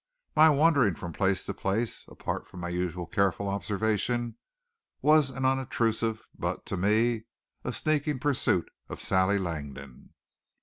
My wandering from place to place, apart from my usual careful observation, was an unobtrusive but, to me, a sneaking pursuit of Sally Langdon.